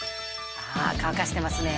乾かしてますね。